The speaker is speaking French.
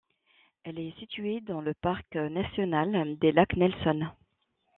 Elle est située dans le parc national des lacs Nelson.